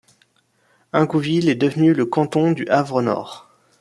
Ingouville est devenu le canton du Havre-Nord.